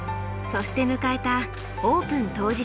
そして迎えたオープン当日。